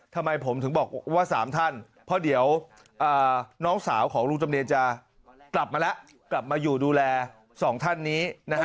ทำไมผมถึงบอกว่า๓ท่านเพราะเดี๋ยวน้องสาวของลุงจำเนียนจะกลับมาแล้วกลับมาอยู่ดูแล๒ท่านนี้นะฮะ